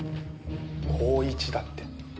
高１だって。